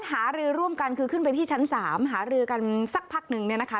หารือร่วมกันคือขึ้นไปที่ชั้น๓หารือกันสักพักนึงเนี่ยนะคะ